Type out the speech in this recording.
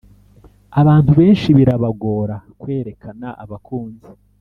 abantu benshi birabagora kwerekana abakunzi